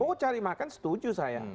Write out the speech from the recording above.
oh cari makan setuju saya